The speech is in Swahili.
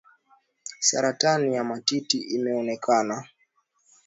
saratani ya matiti imeonekana